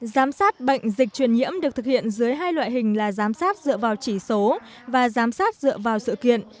giám sát bệnh dịch truyền nhiễm được thực hiện dưới hai loại hình là giám sát dựa vào chỉ số và giám sát dựa vào sự kiện